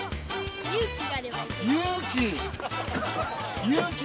勇気！